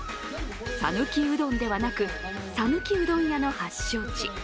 讃岐うどんではなく、讃岐うどん屋の発祥地。